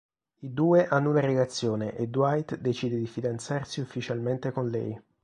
I due hanno una relazione e Dwight decide di fidanzarsi ufficialmente con lei.